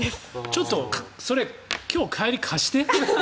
ちょっと、それ今日、帰り貸して。